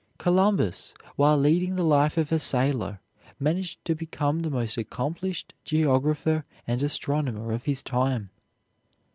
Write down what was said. Columbus, while leading the life of a sailor, managed to become the most accomplished geographer and astronomer of his time.